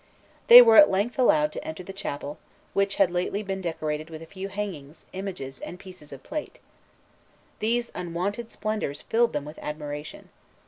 They were at length allowed to enter the chapel, which had lately been decorated with a few hangings, images, and pieces of plate. These unwonted splendors filled them with admiration.